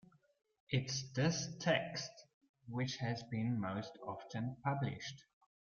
It is this text which has been most often published.